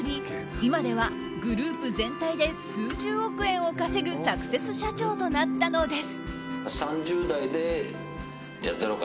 今ではグループ全体で数十億円を稼ぐサクセス社長となったのです。